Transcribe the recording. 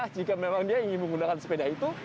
jika memang dia ingin menggunakan sepeda itu